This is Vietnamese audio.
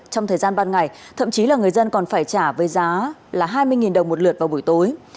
trong thời gian ban ngày thậm chí là người dân còn phải trả với giá là hai mươi đồng một lượt vào buổi tối